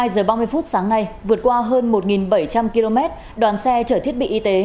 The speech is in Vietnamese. hai mươi giờ ba mươi phút sáng nay vượt qua hơn một bảy trăm linh km đoàn xe chở thiết bị y tế